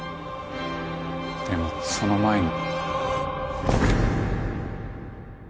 でもその前に。